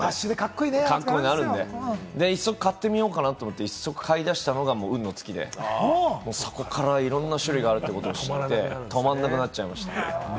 その当時、持ってなかったんで、１足買ってみようかなと思って、買いだしたのが運のつきで、そこからいろんな種類があるということを知って、止まらなくなっちゃいました。